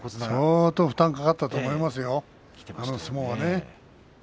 相当負担がかかったと思いますよ